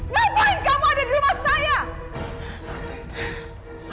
ngapain kamu ada di rumah saya